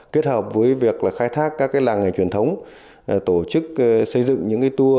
kết hợp với việc khai thác các làng nghề truyền thống tổ chức xây dựng những tour